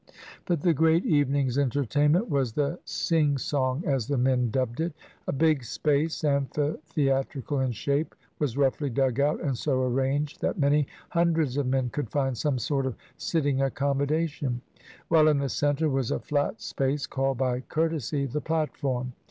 But the great evening's entertainment was the "sing song," as the men dubbed it. A big space, amphi the atrical in shape, was roughly dug out, and so arranged that many hundreds of men could find some sort of sitting accommodation; while in the center was a flat space, called by courtesy the platform.